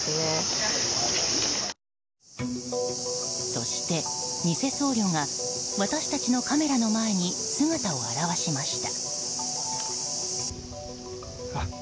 そして、ニセ僧侶が私たちのカメラの前に姿を現しました。